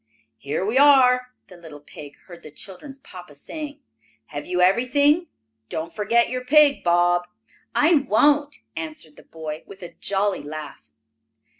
"Here we are!" the little pig heard the children's papa say. "Have you everything? Don't forget your pig, Bob." "I won't," answered the boy, with a jolly laugh.